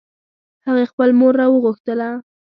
هغې خپل مور راوغوښتله